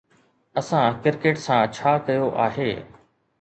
اسان ڪرڪيٽ سان ڇا ڪيو آهي؟